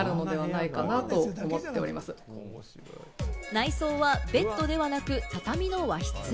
内装はベッドではなく、畳の和室。